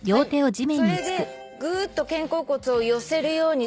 それでぐーっと肩甲骨を寄せるように。